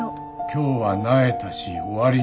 今日はなえたし終わりにする。